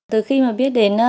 từ khi mà biết đến